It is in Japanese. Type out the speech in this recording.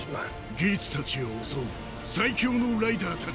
ギーツたちを襲う最強のライダーたち